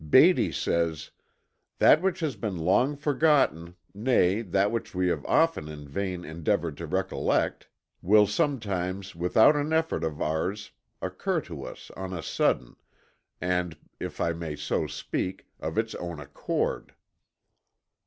Beattie says: "That which has been long forgotten, nay, that which we have often in vain endeavored to recollect, will sometimes without an effort of ours occur to us on a sudden, and, if I may so speak, of its own accord."